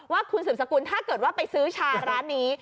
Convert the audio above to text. ว่าคุณสืบสกุลถ้าเกิดว่าไปซื้อชาร้านนี้